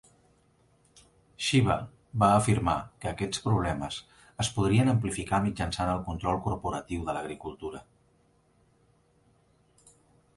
Shiva va afirmar que aquests problemes es podrien amplificar mitjançant el control corporatiu de l'agricultura.